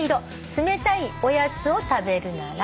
「冷たいおやつを食べるなら」